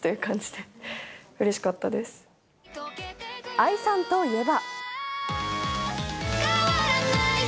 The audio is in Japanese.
藍さんといえば。